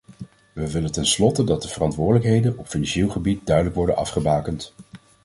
We willen tenslotte dat de verantwoordelijkheden op financieel gebied duidelijk worden afgebakend.